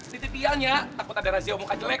di titianya takut ada razio muka jelek